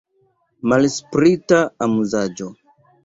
Malsprita amuzaĵo!